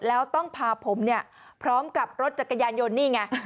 แล้วต้องพาผมเนี่ยพร้อมกับรถจักรยานยนต์นี่ไง